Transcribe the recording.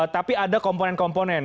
tapi ada komponen komponen